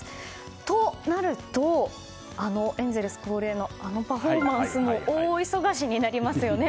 となると、エンゼルス恒例のあのパフォーマンスも大忙しになりますよね。